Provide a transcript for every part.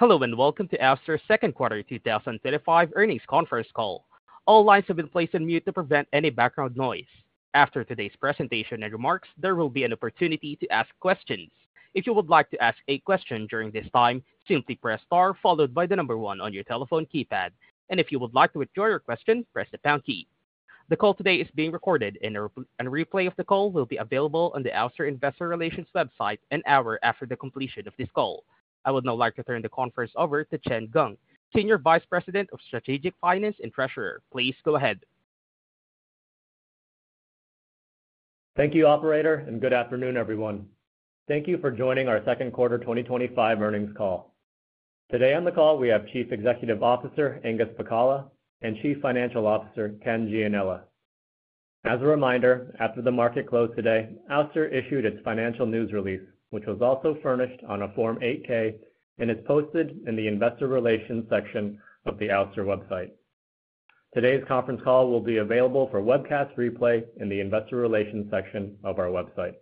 Hello and welcome to Ouster's Second Quarter 2025 Earnings Conference Call. All lines have been placed on mute to prevent any background noise. After today's presentation and remarks, there will be an opportunity to ask questions. If you would like to ask a question during this time, simply press star followed by the number one on your telephone keypad, and if you would like to withdraw your question, press the pound key. The call today is being recorded, and a replay of the call will be available on the Ouster Investor Relations website an hour after the completion of this call. I would now like to turn the conference over to Chen Geng, Senior Vice President of Strategic Finance and Treasurer. Please go ahead. Thank you, operator, and good afternoon, everyone. Thank you for joining our second quarter 2025 earnings call. Today on the call, we have Chief Executive Officer Angus Pacala and Chief Financial Officer Ken Gianella. As a reminder, after the market closed today, Ouster issued its financial news release, which was also furnished on a Form 8-K and is posted in the Investor Relations section of the Ouster website. Today's conference call will be available for webcast replay in the Investor Relations section of our website.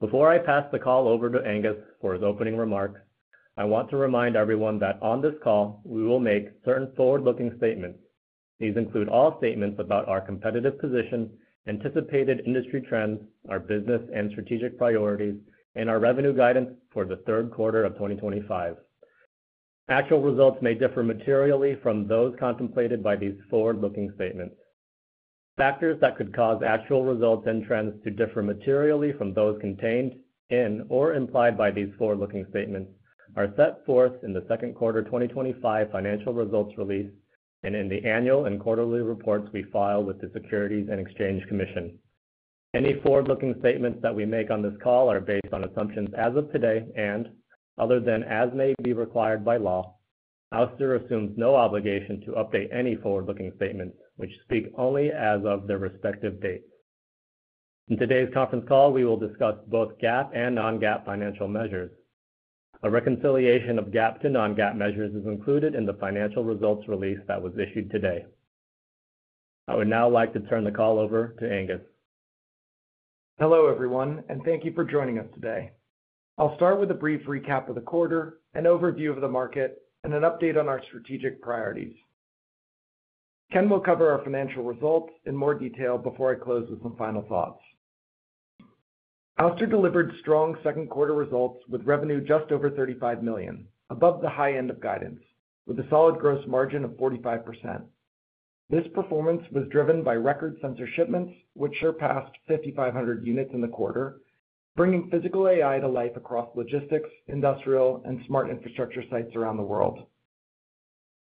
Before I pass the call over to Angus for his opening remarks, I want to remind everyone that on this call, we will make certain forward-looking statements. These include all statements about our competitive position, anticipated industry trends, our business and strategic priorities, and our revenue guidance for the third quarter of 2025. Actual results may differ materially from those contemplated by these forward-looking statements. Factors that could cause actual results and trends to differ materially from those contained in or implied by these forward-looking statements are set forth in the second quarter 2025 financial results release and in the annual and quarterly reports we file with the Securities and Exchange Commission. Any forward-looking statements that we make on this call are based on assumptions as of today and, other than as may be required by law, Ouster assumes no obligation to update any forward-looking statements, which speak only as of their respective date. In today's conference call, we will discuss both GAAP and non-GAAP financial measures. A reconciliation of GAAP to non-GAAP measures is included in the financial results release that was issued today. I would now like to turn the call over to Angus. Hello, everyone, and thank you for joining us today. I'll start with a brief recap of the quarter, an overview of the market, and an update on our strategic priorities. Ken will cover our financial results in more detail before I close with some final thoughts. Ouster delivered strong second quarter results with revenue just over $35 million, above the high end of guidance, with a solid gross margin of 45%. This performance was driven by record sensor shipments, which surpassed 5,500 units in the quarter, bringing physical AI to life across logistics, industrial, and smart infrastructure sites around the world.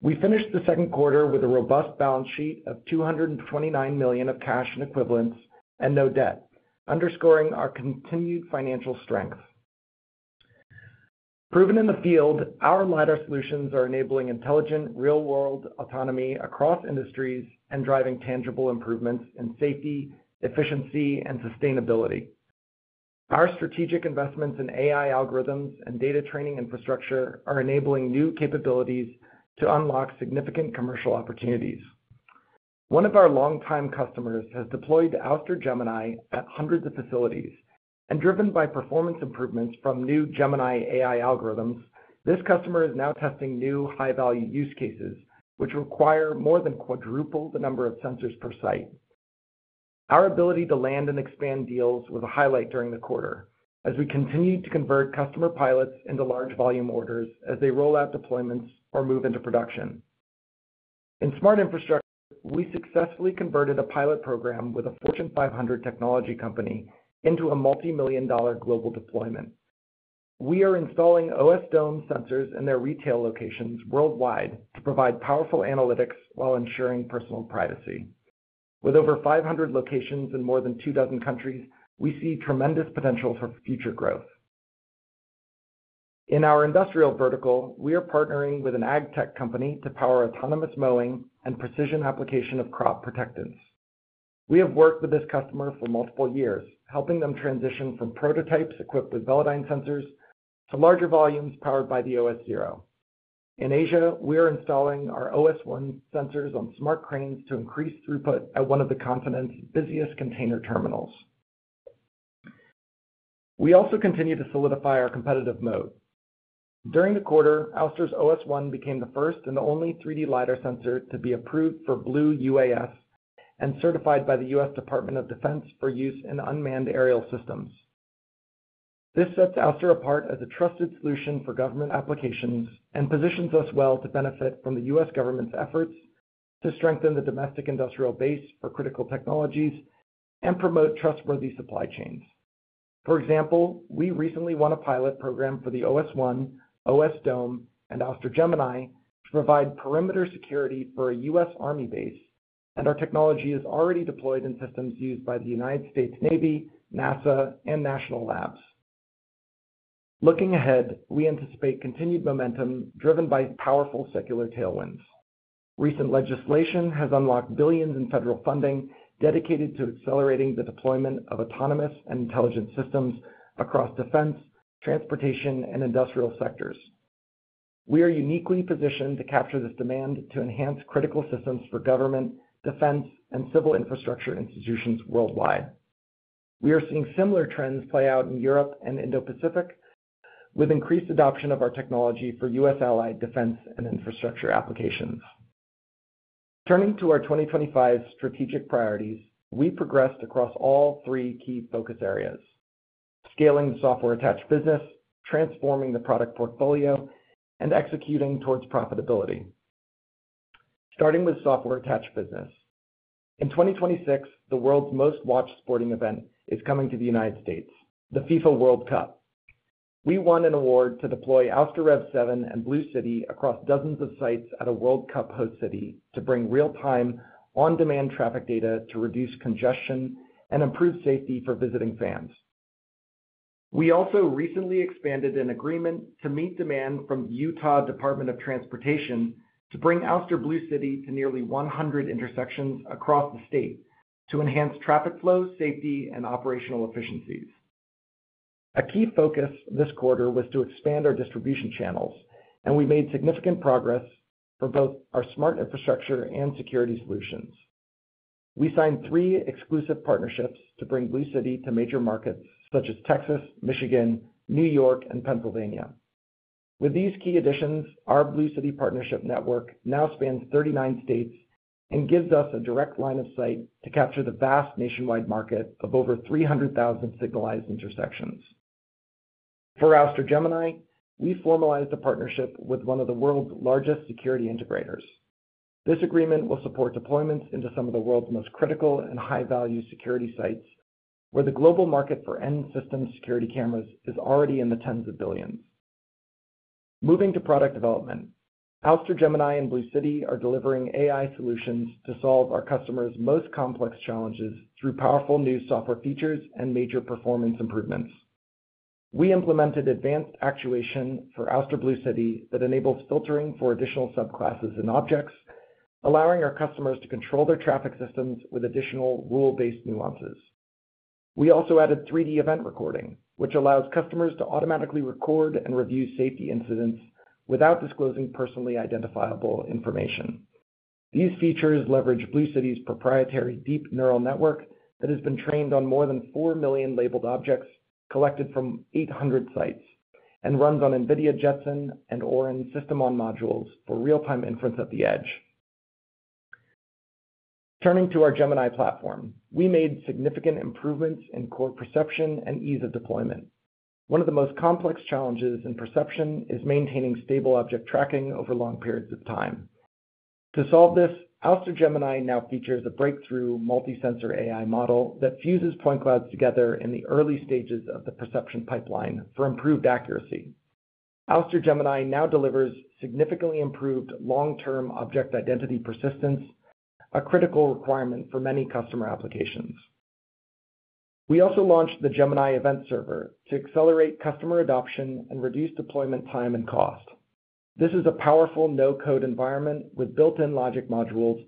We finished the second quarter with a robust balance sheet of $229 million of cash and equivalents and no debt, underscoring our continued financial strength. Proven in the field, our LiDAR solutions are enabling intelligent real-world autonomy across industries and driving tangible improvements in safety, efficiency, and sustainability. Our strategic investments in AI algorithms and data training infrastructure are enabling new capabilities to unlock significant commercial opportunities. One of our long-time customers has deployed Ouster Gemini at hundreds of facilities, and driven by performance improvements from new Gemini AI algorithms, this customer is now testing new high-value use cases, which require more than quadruple the number of sensors per site. Our ability to land and expand deals was a highlight during the quarter, as we continued to convert customer pilots into large volume orders as they roll out deployments or move into production. In smart infrastructure, we successfully converted a pilot program with a Fortune 500 technology company into a multimillion-dollar global deployment. We are installing OSDome sensors in their retail locations worldwide to provide powerful analytics while ensuring personal privacy. With over 500 locations in more than two dozen countries, we see tremendous potential for future growth. In our industrial vertical, we are partnering with an ag-tech company to power autonomous mowing and precision application of crop protectants. We have worked with this customer for multiple years, helping them transition from prototypes equipped with Velodyne sensors to larger volumes powered by the OS0. In Asia, we are installing our OS1 sensors on smart cranes to increase throughput at one of the continent's busiest container terminals. We also continue to solidify our competitive moat. During the quarter, Ouster's OS1 became the first and only 3D LiDAR sensor to be approved for Blue UAS and certified by the U.S. Department of Defense for use in unmanned aerial systems. This sets Ouster apart as a trusted solution for government applications and positions us well to benefit from the U.S. government's efforts to strengthen the domestic industrial base for critical technologies and promote trustworthy supply chains. For example, we recently won a pilot program for the OS1, OSDome, and, Ouster Gemini to provide perimeter security for a U.S. Army base, and our technology is already deployed in systems used by the United States Navy, NASA, and National Labs. Looking ahead, we anticipate continued momentum driven by powerful secular tailwinds. Recent legislation has unlocked billions in federal funding dedicated to accelerating the deployment of autonomous and intelligent systems across defense, transportation, and industrial sectors. We are uniquely positioned to capture this demand to enhance critical systems for government, defense, and civil infrastructure institutions worldwide. We are seeing similar trends play out in Europe and Indo-Pacific with increased adoption of our technology for U.S. allied defense and infrastructure applications. Turning to our 2025 strategic priorities, we progressed across all three key focus areas: scaling the software-attached business, transforming the product portfolio, and executing towards profitability. Starting with software-attached business. In 2026, the world's most watched sporting event is coming to the United States, the FIFA World Cup. We won an award to deploy Ouster Rev7 and BlueCity across dozens of sites at a World Cup host city to bring real-time, on-demand traffic data to reduce congestion and improve safety for visiting fans. We also recently expanded an agreement to meet demand from the Utah Department of Transportation to bring Ouster BlueCity to nearly 100 intersections across the state to enhance traffic flow, safety, and operational efficiencies. A key focus this quarter was to expand our distribution channels, and we made significant progress for both our smart infrastructure and security solutions. We signed three exclusive partnerships to bring BlueCity to major markets such as Texas, Michigan, New York, and Pennsylvania. With these key additions, our BlueCity partnership network now spans 39 states and gives us a direct line of sight to capture the vast nationwide market of over 300,000 signalized intersections. For Ouster Gemini, we formalized a partnership with one of the world's largest security integrators. This agreement will support deployments into some of the world's most critical and high-value security sites, where the global market for end-system security cameras is already in the tens of billions. Moving to product development, Ouster Gemini and BlueCity are delivering AI solutions to solve our customers' most complex challenges through powerful new software features and major performance improvements. We implemented advanced actuation for Ouster BlueCity that enables filtering for additional subclasses and objects, allowing our customers to control their traffic systems with additional rule-based nuances. We also added 3D event recording, which allows customers to automatically record and review safety incidents without disclosing personally identifiable information. These features leverage BlueCity's proprietary deep neural network that has been trained on more than 4 million labeled objects collected from 800 sites and runs on NVIDIA Jetson and Orin system-on modules for real-time inference at the edge. Turning to our Gemini platform, we made significant improvements in core perception and ease of deployment. One of the most complex challenges in perception is maintaining stable object tracking over long periods of time. To solve this, Ouster Gemini now features a breakthrough multi-sensor AI model that fuses point clouds together in the early stages of the perception pipeline for improved accuracy. Ouster Gemini now delivers significantly improved long-term object identity persistence, a critical requirement for many customer applications. We also launched the Gemini Event Server to accelerate customer adoption and reduce deployment time and cost. This is a powerful no-code environment with built-in logic modules,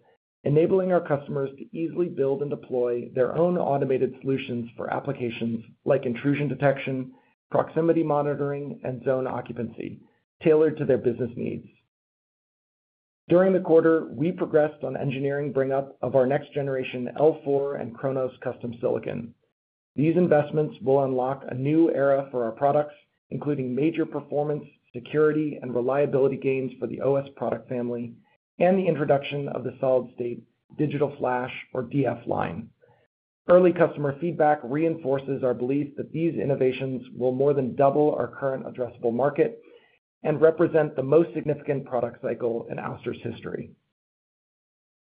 enabling our customers to easily build and deploy their own automated solutions for applications like intrusion detection, proximity monitoring, and zone occupancy tailored to their business needs. During the quarter, we progressed on engineering bring-up of our next-generation L4 and Chronos custom silicon. These investments will unlock a new era for our products, including major performance, security, and reliability gains for the OS product family and the introduction of the solid-state digital flash, or DF line. Early customer feedback reinforces our belief that these innovations will more than double our current addressable market and represent the most significant product cycle in Ouster's history.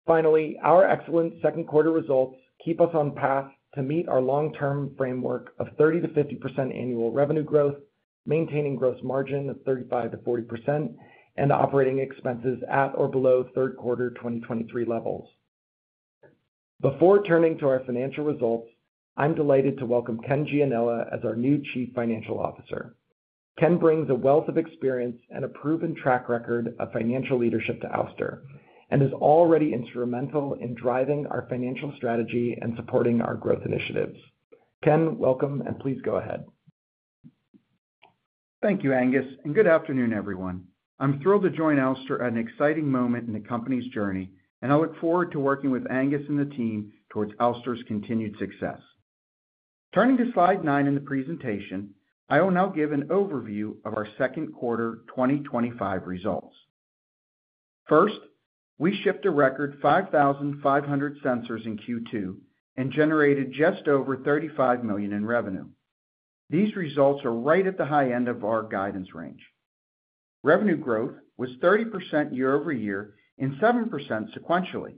Finally, our excellent second quarter results keep us on path to meet our long-term framework of 30%-50% annual revenue growth, maintaining gross margin of 35%-40%, and operating expenses at or below third quarter 2023 levels. Before turning to our financial results, I'm delighted to welcome Ken Gianella as our new Chief Financial Officer. Ken brings a wealth of experience and a proven track record of financial leadership to Ouster and is already instrumental in driving our financial strategy and supporting our growth initiatives. Ken, welcome, and please go ahead. Thank you, Angus, and good afternoon, everyone. I'm thrilled to join Ouster at an exciting moment in the company's journey, and I look forward to working with Angus and the team towards Ouster's continued success. Turning to slide nine in the presentation, I will now give an overview of our second quarter 2025 results. First, we shipped a record 5,500 sensors in Q2 and generated just over $35 million in revenue. These results are right at the high end of our guidance range. Revenue growth was 30% year-over-year and 7% sequentially.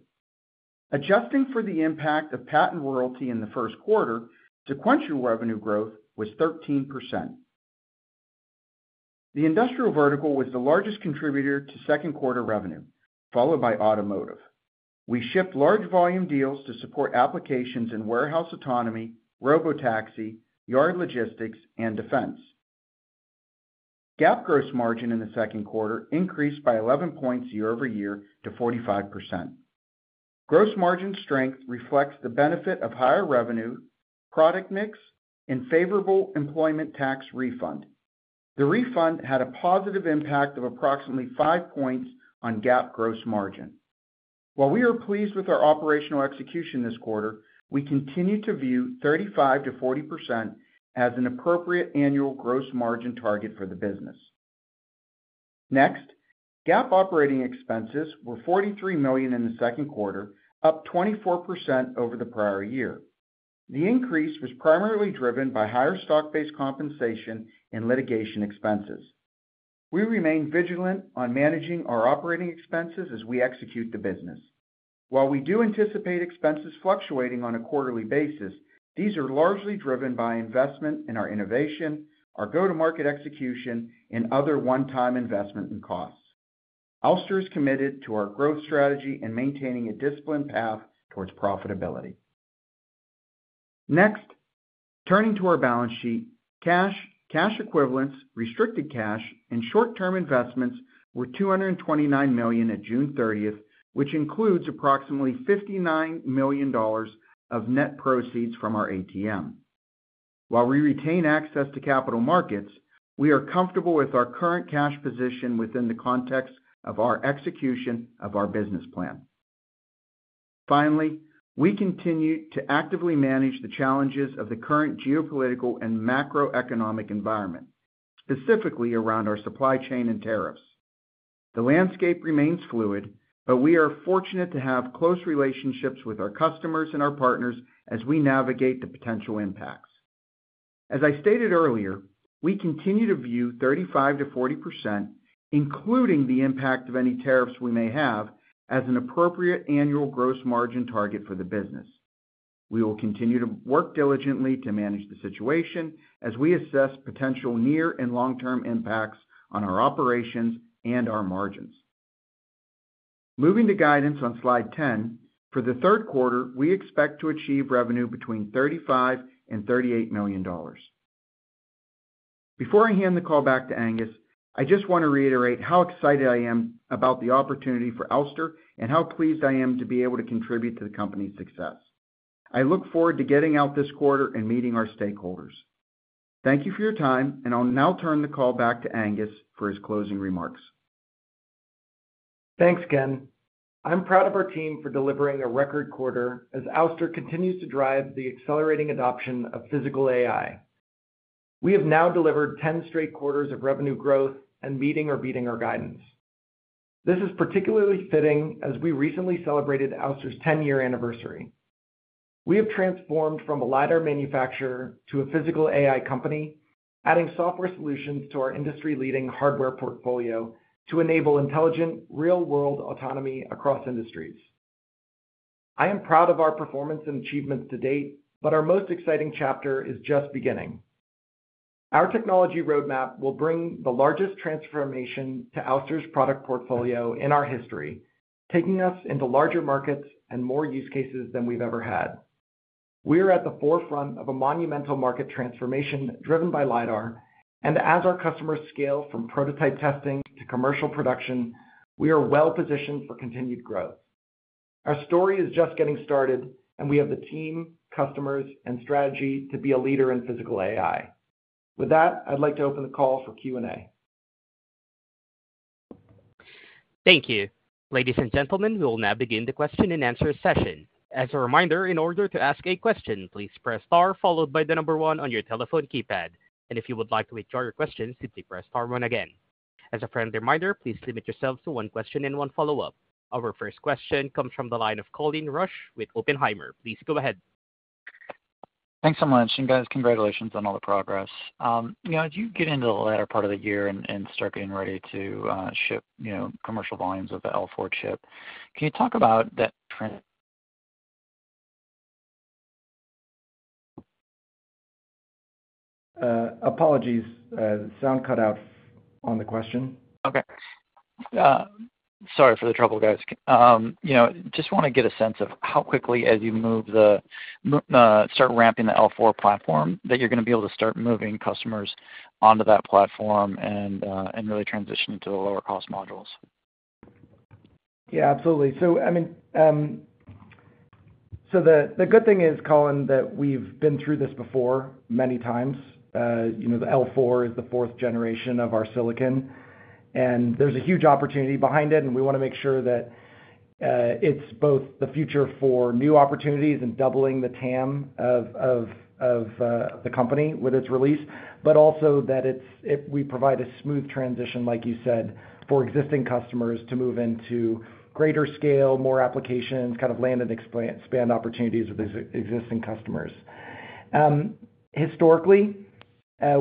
Adjusting for the impact of patent royalty in the first quarter, sequential revenue growth was 13%. The industrial vertical was the largest contributor to second quarter revenue, followed by automotive. We shipped large volume deals to support applications in warehouse autonomy, robotaxi, yard logistics, and defense. GAAP gross margin in the second quarter increased by 11 points year-over-year to 45%. Gross margin strength reflects the benefit of higher revenue, product mix, and favorable employment tax refund. The refund had a positive impact of approximately five points on GAAP gross margin. While we are pleased with our operational execution this quarter, we continue to view 35%-40% as an appropriate annual gross margin target for the business. Next, GAAP operating expenses were $43 million in the second quarter, up 24% over the prior year. The increase was primarily driven by higher stock-based compensation and litigation expenses. We remain vigilant on managing our operating expenses as we execute the business. While we do anticipate expenses fluctuating on a quarterly basis, these are largely driven by investment in our innovation, our go-to-market execution, and other one-time investment and costs. Ouster is committed to our growth strategy and maintaining a disciplined path towards profitability. Next, turning to our balance sheet, cash, cash equivalents, restricted cash, and short-term investments were $229 million at June 30th, which includes approximately $59 million of net proceeds from our ATM. While we retain access to capital markets, we are comfortable with our current cash position within the context of our execution of our business plan. Finally, we continue to actively manage the challenges of the current geopolitical and macroeconomic environment, specifically around our supply chain and tariffs. The landscape remains fluid, but we are fortunate to have close relationships with our customers and our partners as we navigate the potential impacts. As I stated earlier, we continue to view 35%-40%, including the impact of any tariffs we may have, as an appropriate annual gross margin target for the business. We will continue to work diligently to manage the situation as we assess potential near and long-term impacts on our operations and our margins. Moving to guidance on slide 10, for the third quarter, we expect to achieve revenue between $35 million and $38 million. Before I hand the call back to Angus, I just want to reiterate how excited I am about the opportunity for Ouster and how pleased I am to be able to contribute to the company's success. I look forward to getting out this quarter and meeting our stakeholders. Thank you for your time, and I'll now turn the call back to Angus for his closing remarks. Thanks, Ken. I'm proud of our team for delivering a record quarter as Ouster continues to drive the accelerating adoption of physical AI. We have now delivered 10 straight quarters of revenue growth and meeting or beating our guidance. This is particularly fitting as we recently celebrated Ouster's 10-year anniversary. We have transformed from a LiDAR manufacturer to a physical AI company, adding software solutions to our industry-leading hardware portfolio to enable intelligent real-world autonomy across industries. I am proud of our performance and achievements to date, but our most exciting chapter is just beginning. Our technology roadmap will bring the largest transformation to Ouster's product portfolio in our history, taking us into larger markets and more use cases than we've ever had. We are at the forefront of a monumental market transformation driven by LiDAR, and as our customers scale from prototype testing to commercial production, we are well positioned for continued growth. Our story is just getting started, and we have the team, customers, and strategy to be a leader in physical AI. With that, I'd like to open the call for Q&A. Thank you. Ladies and gentlemen, we will now begin the question-and-answer session. As a reminder, in order to ask a question, please press star followed by the number one on your telephone keypad. If you would like to withdraw your questions, simply press star one again. As a friendly reminder, please limit yourself to one question and one follow-up. Our first question comes from the line of Colin Rusch with Oppenheimer. Please go ahead. Thanks so much. Guys, congratulations on all the progress. As you get into the latter part of the year and start getting ready to ship commercial volumes of the L4 chip, can you talk about that? Apologies, sound cut out on the question. Sorry for the trouble, guys. I just want to get a sense of how quickly, as you move to start ramping the L4 platform, that you're going to be able to start moving customers onto that platform and really transitioning to the lower-cost modules. Yeah, absolutely. The good thing is, Colin, that we've been through this before many times. The L4 is the fourth generation of our silicon, and there's a huge opportunity behind it. We want to make sure that it's both the future for new opportunities and doubling the TAM of the company with its release, but also that we provide a smooth transition, like you said, for existing customers to move into greater scale, more applications, kind of land and expand opportunities with existing customers. Historically,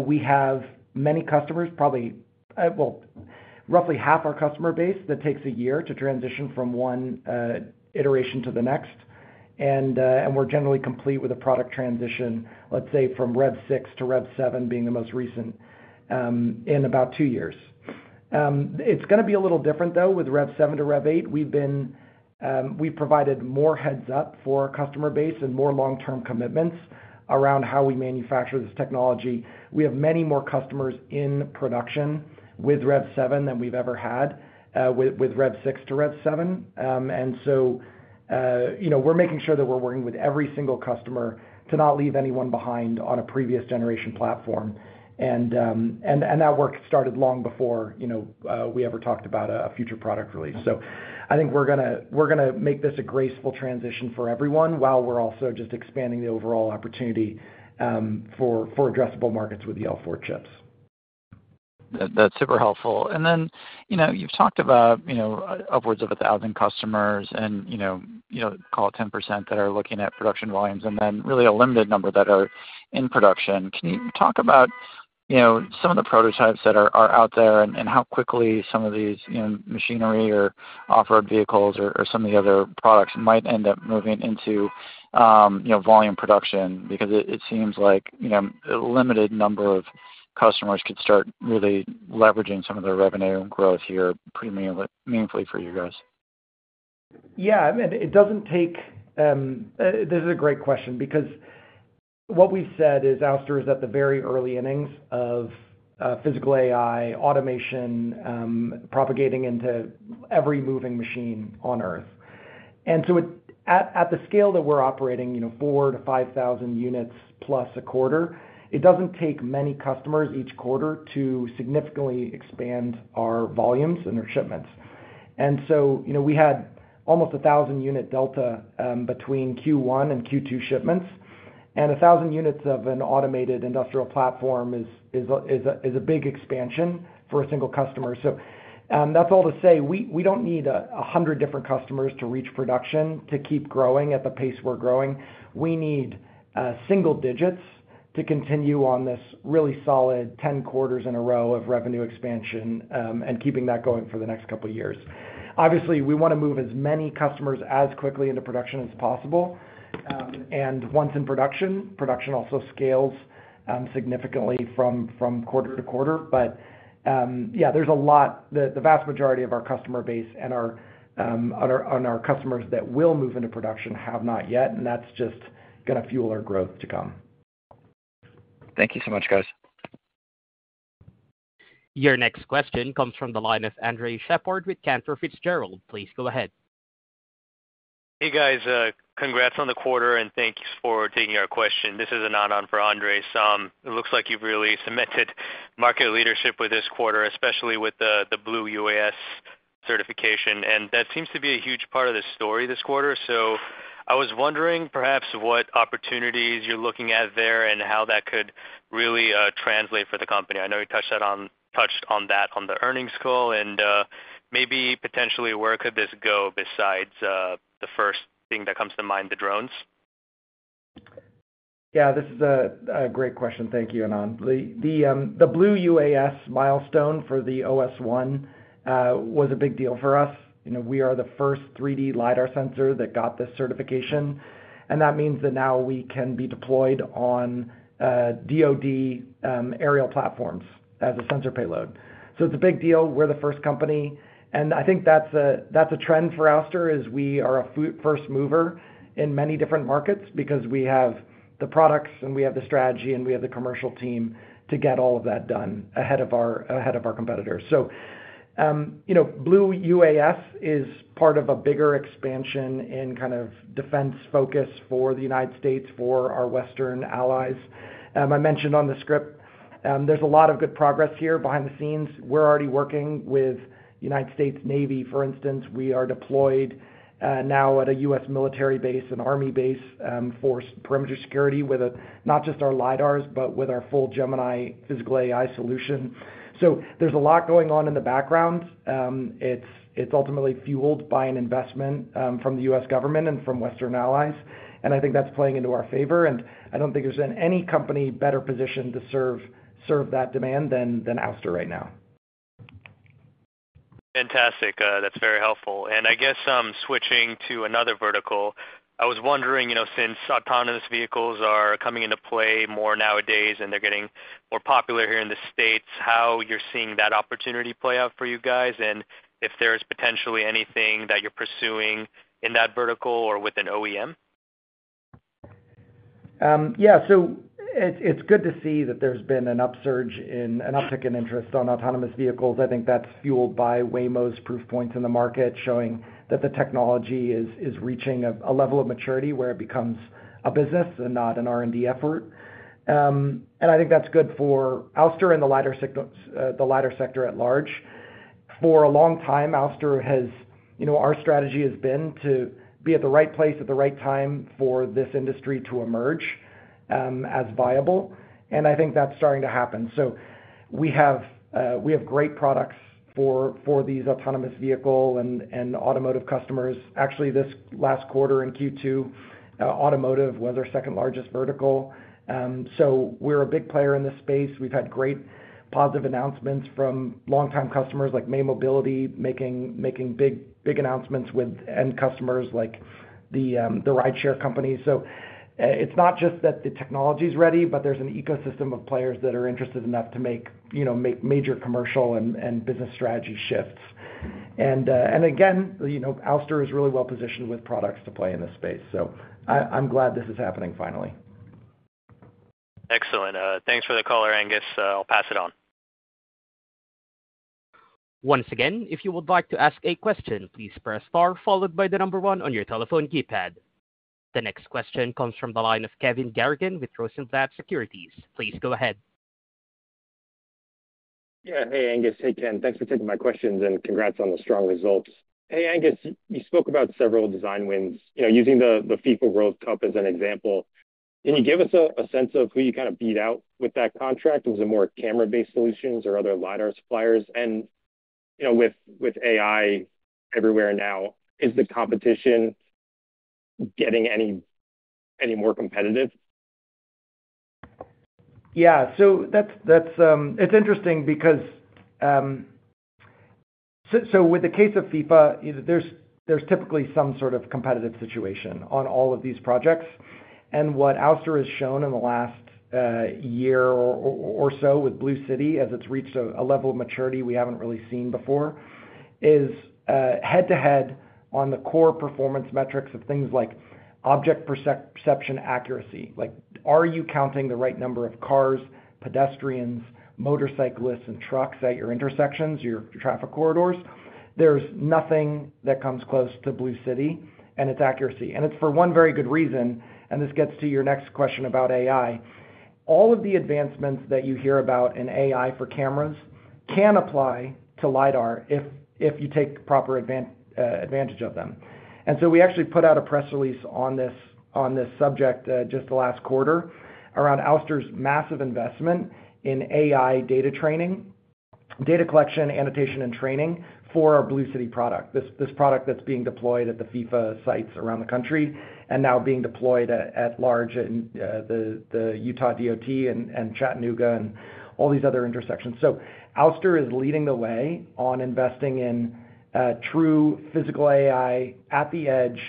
we have many customers, probably, well, roughly half our customer base that takes a year to transition from one iteration to the next, and we're generally complete with a product transition, let's say, from Rev6 to Rev7 being the most recent, in about two years. It's going to be a little different with Rev7 to Rev8. We've provided more heads-up for our customer base and more long-term commitments around how we manufacture this technology. We have many more customers in production with Rev7 than we've ever had with Rev6 to Rev7. We're making sure that we're working with every single customer to not leave anyone behind on a previous-generation platform. That work started long before we ever talked about a future product release. I think we're going to make this a graceful transition for everyone while we're also just expanding the overall opportunity for addressable markets with the L4 chips. That's super helpful. You've talked about upwards of 1,000 customers and, call it 10% that are looking at production volumes, and then really a limited number that are in production. Can you talk about some of the prototypes that are out there and how quickly some of these machinery or off-road vehicles or some of the other products might end up moving into volume production? It seems like a limited number of customers could start really leveraging some of their revenue and growth here pretty meaningfully for you guys. Yeah, I mean, it doesn't take, this is a great question because what we've said is Ouster is at the very early innings of physical AI automation propagating into every moving machine on Earth. At the scale that we're operating, you know, 4,000-5,000+ units a quarter, it doesn't take many customers each quarter to significantly expand our volumes and their shipments. We had almost 1,000 unit delta between Q1 and Q2 shipments, and 1,000 units of an automated industrial platform is a big expansion for a single customer. That's all to say we don't need 100 different customers to reach production to keep growing at the pace we're growing. We need single digits to continue on this really solid 10 quarters in a row of revenue expansion and keeping that going for the next couple of years. Obviously, we want to move as many customers as quickly into production as possible. Once in production, production also scales significantly from quarter to quarter. There's a lot, the vast majority of our customer base and our customers that will move into production have not yet, and that's just going to fuel our growth to come. Thank you so much, guys. Your next question comes from the line of Andres Sheppard with Cantor Fitzgerald. Please go ahead. Hey guys, congrats on the quarter and thanks for taking our question. This is Anand on for Andres. It looks like you've really cemented market leadership with this quarter, especially with the Blue UAS certification, and that seems to be a huge part of the story this quarter. I was wondering what opportunities you're looking at there and how that could really translate for the company. I know you touched on that on the earnings call and maybe potentially where could this go besides the first thing that comes to mind, the drones? Yeah, this is a great question. Thank you, Anand. The Blue UAS milestone for the OS1 was a big deal for us. We are the first 3D LiDAR sensor that got this certification, and that means that now we can be deployed on DoD aerial platforms as a sensor payload. It's a big deal. We're the first company, and I think that's a trend for Ouster. We are a first mover in many different markets because we have the products and we have the strategy and we have the commercial team to get all of that done ahead of our competitors. Blue UAS is part of a bigger expansion in kind of defense focus for the United States, for our Western allies. I mentioned on the script, there's a lot of good progress here behind the scenes. We're already working with the United States Navy, for instance. We are deployed now at a U.S. military base and army base for perimeter security with not just our LiDARs, but with our full Gemini physical AI solution. There's a lot going on in the background. It's ultimately fueled by an investment from the U.S. government and from Western allies, and I think that's playing into our favor. I don't think there's any company better positioned to serve that demand than Ouster right now. Fantastic. That's very helpful. I guess switching to another vertical, I was wondering, you know, since autonomous vehicles are coming into play more nowadays and they're getting more popular here in the States, how you're seeing that opportunity play out for you guys and if there is potentially anything that you're pursuing in that vertical or with an OEM? Yeah, it's good to see that there's been an upsurge in an uptick in interest on autonomous vehicles. I think that's fueled by Waymo's proof points in the market showing that the technology is reaching a level of maturity where it becomes a business and not an R&D effort. I think that's good for Ouster and the LiDAR sector at large. For a long time, Ouster has, you know, our strategy has been to be at the right place at the right time for this industry to emerge as viable. I think that's starting to happen. We have great products for these autonomous vehicle and automotive customers. Actually, this last quarter in Q2, automotive was our second largest vertical. We're a big player in this space. We've had great positive announcements from long-time customers like May Mobility making big announcements and customers like the rideshare company. It's not just that the technology is ready, but there's an ecosystem of players that are interested enough to make, you know, make major commercial and business strategy shifts. Again, you know, Ouster is really well positioned with products to play in this space. I'm glad this is happening finally. Excellent. Thanks for the call, Angus. I'll pass it on. Once again, if you would like to ask a question, please press star followed by the number one on your telephone keypad. The next question comes from the line of Kevin Garrigan with Rosenblatt Securities. Please go ahead. Yeah, hey Angus, hey Ken, thanks for taking my questions and congrats on the strong results. Hey Angus, you spoke about several design wins, using the FIFA World Cup as an example. Can you give us a sense of who you kind of beat out with that contract? Was it more camera-based solutions or other LiDAR suppliers? With AI everywhere now, is the competition getting any more competitive? Yeah, that's interesting because with the case of FIFA, there's typically some sort of competitive situation on all of these projects. What Ouster has shown in the last year or so with BlueCity, as it's reached a level of maturity we haven't really seen before, is head-to-head on the core performance metrics of things like object perception accuracy. Like, are you counting the right number of cars, pedestrians, motorcyclists, and trucks at your intersections, your traffic corridors? There's nothing that comes close to BlueCity and its accuracy. It's for one very good reason, and this gets to your next question about AI. All of the advancements that you hear about in AI for cameras can apply to LiDAR if you take proper advantage of them. We actually put out a press release on this subject just the last quarter around Ouster's massive investment in AI data training, data collection, annotation, and training for our BlueCity product. This product that's being deployed at the FIFA sites around the country and now being deployed at large in the Utah DoT and Chattanooga and all these other intersections. Ouster is leading the way on investing in true physical AI at the edge,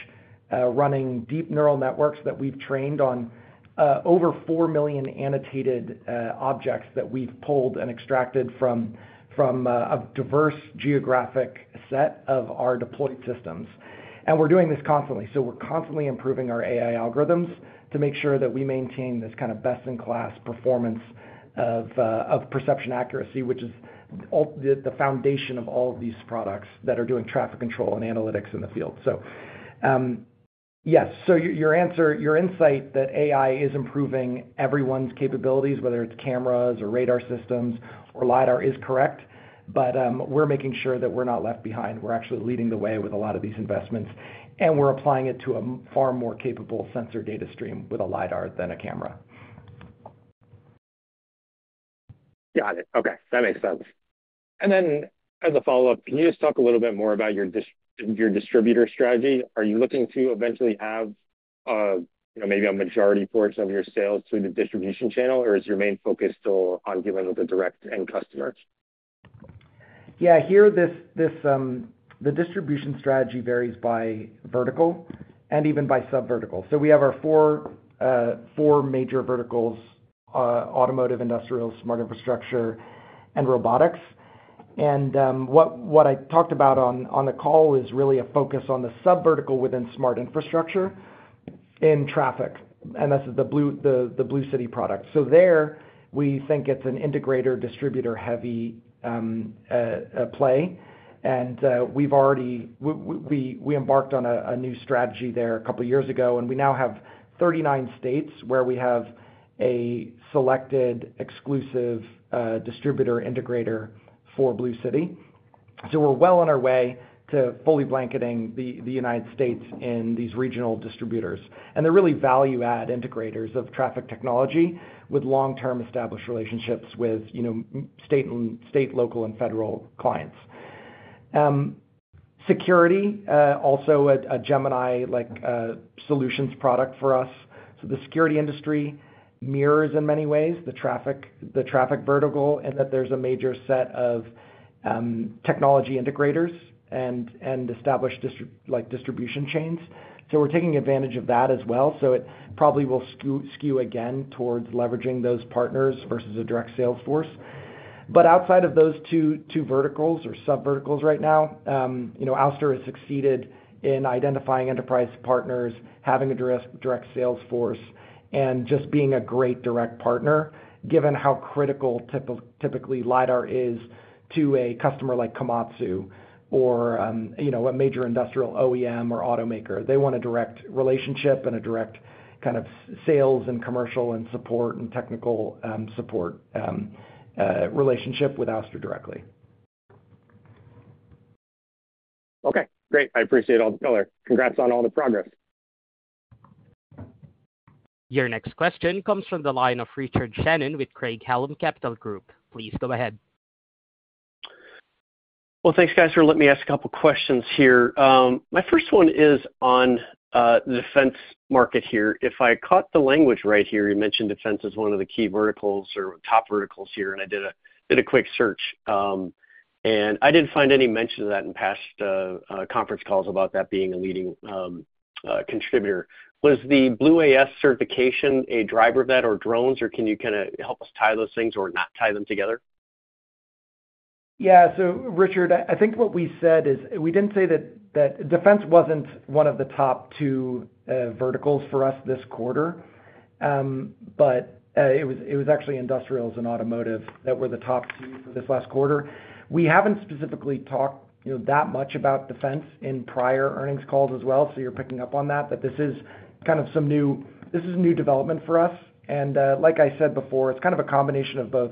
running deep neural networks that we've trained on over 4 million annotated objects that we've pulled and extracted from a diverse geographic set of our deployed systems. We're doing this constantly. We're constantly improving our AI algorithms to make sure that we maintain this kind of best-in-class performance of perception accuracy, which is the foundation of all of these products that are doing traffic control and analytics in the field. Yes, your insight that AI is improving everyone's capabilities, whether it's cameras or radar systems or LiDAR, is correct. We're making sure that we're not left behind. We're actually leading the way with a lot of these investments. We're applying it to a far more capable sensor data stream with a LiDAR than a camera. Got it. Okay, that makes sense. As a follow-up, can you just talk a little bit more about your distributor strategy? Are you looking to eventually have maybe a majority portion of your sales through the distribution channel, or is your main focus still on dealing with the direct-end customers? Yeah, here the distribution strategy varies by vertical and even by sub-vertical. We have our four major verticals: Automotive, Industrial, Smart Infrastructure, and Robotics. What I talked about on the call is really a focus on the sub-vertical within smart infrastructure in traffic. This is the BlueCity product. There we think it's an integrator-distributor heavy play. We embarked on a new strategy there a couple of years ago, and we now have 39 states where we have a selected exclusive distributor integrator for BlueCity. We're well on our way to fully blanketing the United States in these regional distributors. They're really value-add integrators of traffic technology with long-term established relationships with state, local, and federal clients. Security is also a Gemini-like solutions product for us. The security industry mirrors in many ways the traffic vertical in that there's a major set of technology integrators and established distribution chains. We're taking advantage of that as well. It probably will skew again towards leveraging those partners versus a direct sales force. Outside of those two verticals or sub-verticals right now, Ouster has succeeded in identifying enterprise partners, having a direct sales force, and just being a great direct partner, given how critical typically LiDAR is to a customer like Komatsu or a major industrial OEM or automaker. They want a direct relationship and a direct kind of sales and commercial and support and technical support relationship with Ouster directly. Okay, great. I appreciate all the congrats on all the progress. Your next question comes from the line of Richard Shannon with Craig-Hallum Capital Group. Please go ahead. Thank you for letting me ask a couple of questions here. My first one is on the defense market. If I caught the language right, you mentioned defense as one of the key verticals or top verticals, and I did a quick search. I didn't find any mention of that in past conference calls about that being a leading contributor. Was the Blue UAS certification a driver of that or drones, or can you help us tie those things or not tie them together? Yeah, Richard, I think what we said is we didn't say that defense wasn't one of the top two verticals for us this quarter, but it was actually industrials and automotive that were the top two for this last quarter. We haven't specifically talked that much about defense in prior earnings calls as well, so you're picking up on that, that this is kind of some new, this is a new development for us. Like I said before, it's kind of a combination of both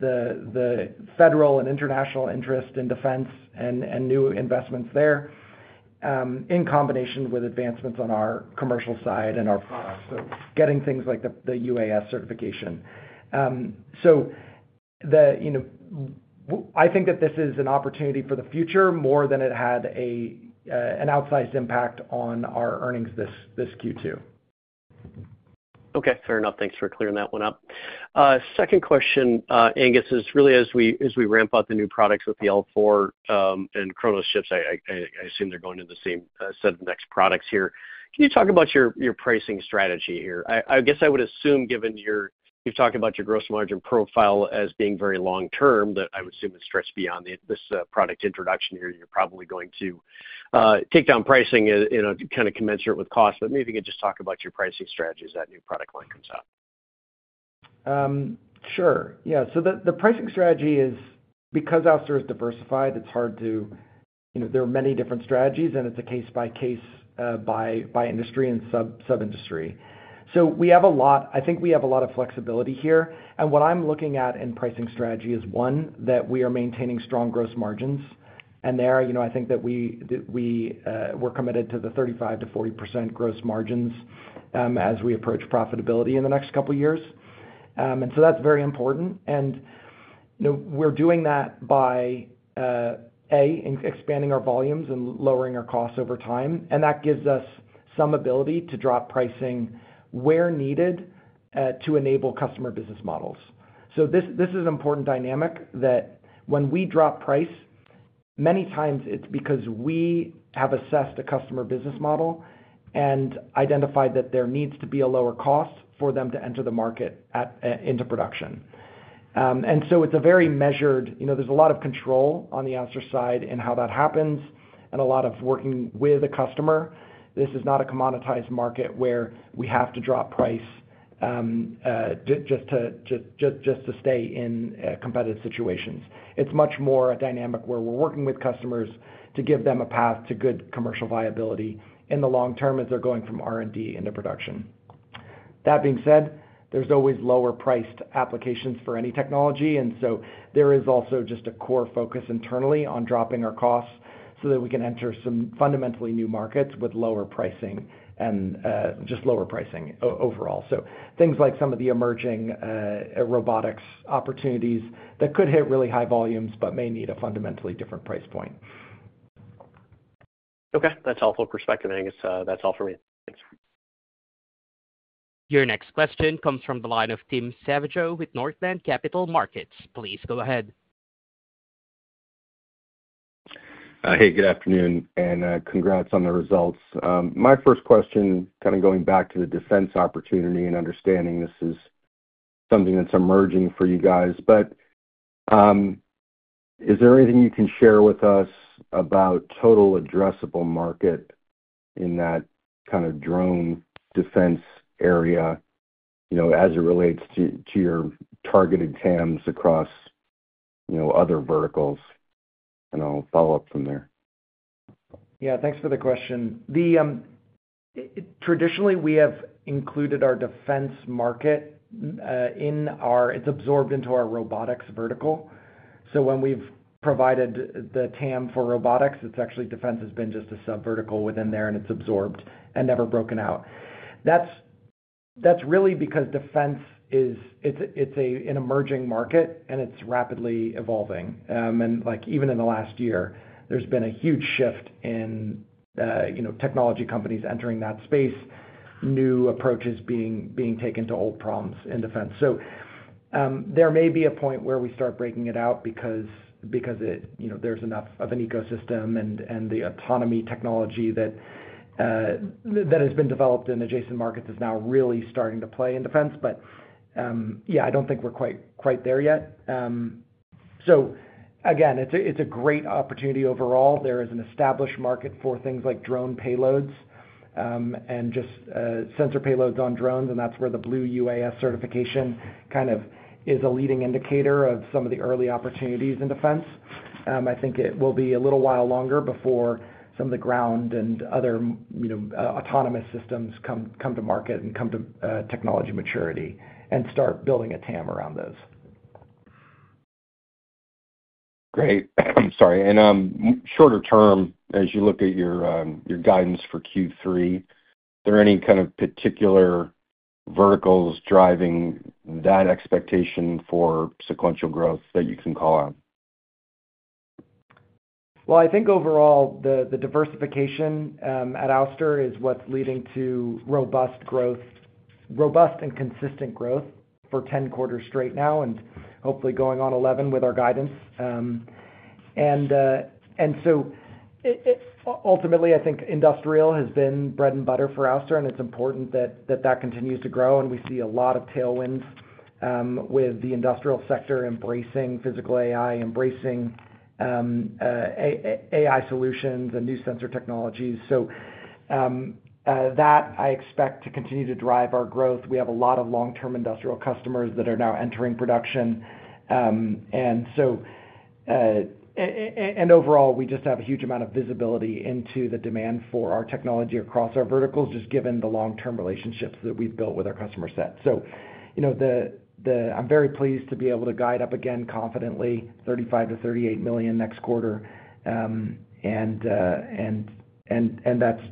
the federal and international interest in defense and new investments there, in combination with advancements on our commercial side and our products. Getting things like the UAS certification, I think that this is an opportunity for the future more than it had an outsized impact on our earnings this Q2. Okay, fair enough. Thanks for clearing that one up. Second question, Angus, is really as we ramp up the new products with the L4 and Chronos chips, I assume they're going to the same set of next products here. Can you talk about your pricing strategy here? I guess I would assume given you've talked about your gross margin profile as being very long-term, that I would assume it stretched beyond this product introduction year. You're probably going to take down pricing in a kind of commensurate with cost, but maybe you could just talk about your pricing strategy as that new product line comes out. Sure, yeah. The pricing strategy is because Ouster is diversified, it's hard to, you know, there are many different strategies and it's a case by case by industry and sub-industry. We have a lot, I think we have a lot of flexibility here. What I'm looking at in pricing strategy is, one, that we are maintaining strong gross margins. I think that we are committed to the 35%-40% gross margins as we approach profitability in the next couple of years. That's very important. We're doing that by, A, expanding our volumes and lowering our costs over time. That gives us some ability to drop pricing where needed to enable customer business models. This is an important dynamic that when we drop price, many times it's because we have assessed a customer business model and identified that there needs to be a lower cost for them to enter the market into production. It's a very measured, you know, there's a lot of control on the Ouster side in how that happens and a lot of working with a customer. This is not a commoditized market where we have to drop price just to stay in competitive situations. It's much more a dynamic where we're working with customers to give them a path to good commercial viability in the long term as they're going from R&D into production. That being said, there's always lower priced applications for any technology. There is also just a core focus internally on dropping our costs so that we can enter some fundamentally new markets with lower pricing and just lower pricing overall. Things like some of the emerging robotics opportunities that could hit really high volumes but may need a fundamentally different price point. Okay, that's helpful perspective, Angus. That's all for me. Your next question comes from the line of Tim Savageaux with Northland Capital Markets. Please go ahead. Hey, good afternoon and congrats on the results. My first question, going back to the defense opportunity and understanding this is something that's emerging for you guys, is there anything you can share with us about total addressable market in that kind of drone defense area, as it relates to your targeted TAMs across other verticals? I'll follow up from there. Yeah, thanks for the question. Traditionally, we have included our defense market in our, it's absorbed into our robotics vertical. When we've provided the TAM for robotics, defense has been just a sub-vertical within there and it's absorbed and never broken out. That's really because defense is an emerging market and it's rapidly evolving. Even in the last year, there's been a huge shift in technology companies entering that space, new approaches being taken to old problems in defense. There may be a point where we start breaking it out because there's enough of an ecosystem and the autonomy technology that has been developed in adjacent markets is now really starting to play in defense. I don't think we're quite there yet. It's a great opportunity overall. There is an established market for things like drone payloads and just sensor payloads on drones, and that's where the Blue UAS certification is a leading indicator of some of the early opportunities in defense. I think it will be a little while longer before some of the ground and other autonomous systems come to market and come to technology maturity and start building a TAM around those. Great. I'm sorry. In shorter term, as you look at your guidance for Q3, are there any kind of particular verticals driving that expectation for sequential growth that you can call out? I think overall the diversification at Ouster is what's leading to robust growth, robust and consistent growth for 10 quarters straight now and hopefully going on 11 with our guidance. Ultimately, I think industrial has been bread and butter for Ouster, and it's important that that continues to grow. We see a lot of tailwinds with the industrial sector embracing physical AI, embracing AI solutions and new sensor technologies. That I expect to continue to drive our growth. We have a lot of long-term industrial customers that are now entering production. Overall, we just have a huge amount of visibility into the demand for our technology across our verticals, just given the long-term relationships that we've built with our customer set. I'm very pleased to be able to guide up again confidently $35 million-38 million next quarter. That's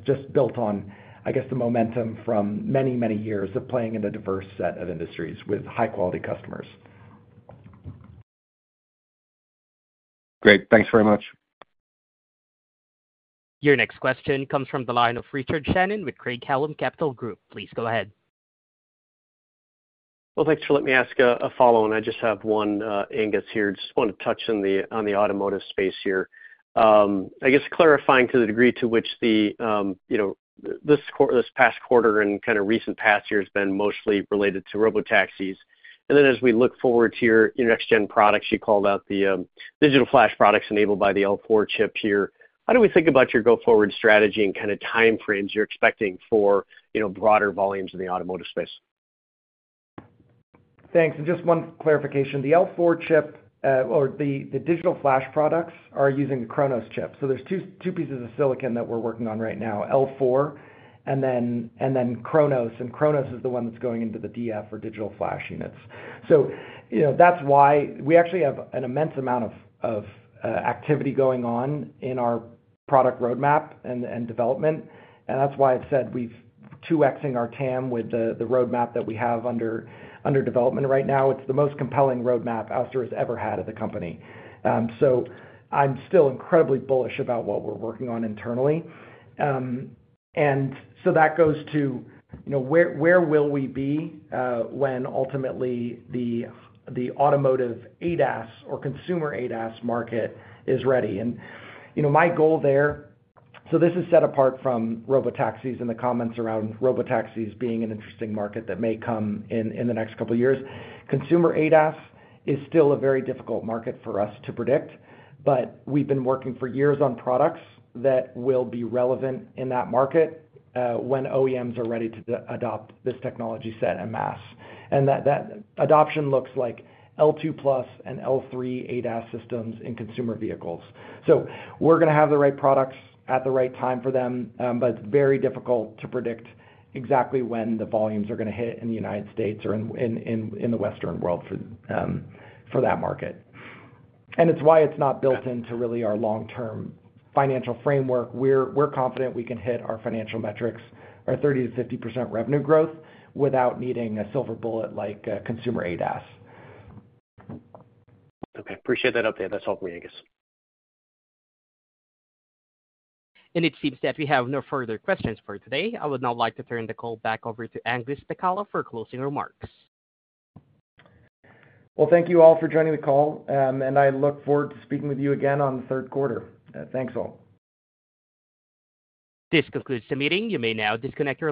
just built on the momentum from many, many years of playing in a diverse set of industries with high-quality customers. Great. Thanks very much. Your next question comes from the line of Richard Shannon with Craig-Hallum Capital Group. Please go ahead. Thank you for letting me ask a follow-on. I just have one, Angus, here. I just want to touch on the automotive space here. I guess clarifying to the degree to which this past quarter and kind of recent past year has been mostly related to robotaxis. As we look forward to your next-gen products, you called out the digital flash products enabled by the L4 chip here. How do we think about your go-forward strategy and kind of timeframes you're expecting for broader volumes in the automotive space? Thanks. Just one clarification. The L4 chip or the digital flash products are using the Chronos chip. There are two pieces of silicon that we're working on right now, L4 and then Chronos. Chronos is the one that's going into the DF or digital flash units. That's why we actually have an immense amount of activity going on in our product roadmap and development. That's why I've said we've 2xing our TAM with the roadmap that we have under development right now. It's the most compelling roadmap Ouster has ever had at the company. I'm still incredibly bullish about what we're working on internally. That goes to where will we be when ultimately the automotive ADAS or consumer ADAS market is ready. My goal there, this is set apart from robotaxis and the comments around robotaxis being an interesting market that may come in the next couple of years. Consumer ADAS is still a very difficult market for us to predict, but we've been working for years on products that will be relevant in that market when OEMs are ready to adopt this technology set en masse. That adoption looks like L2+ and L3 ADAS systems in consumer vehicles. We're going to have the right products at the right time for them, but it's very difficult to predict exactly when the volumes are going to hit in the United States or in the Western world for that market. It's why it's not built into really our long-term financial framework. We're confident we can hit our financial metrics, our 30%-50% revenue growth without needing a silver bullet like consumer ADAS. Okay, appreciate that update. That's helpful, Angus. It seems that we have no further questions for today. I would now like to turn the call back over to Angus Pacala for closing remarks. Thank you all for joining the call, and I look forward to speaking with you again on the third quarter. Thanks all. This concludes the meeting. You may now disconnect.